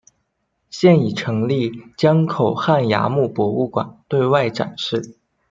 现已成立江口汉崖墓博物馆对外展示。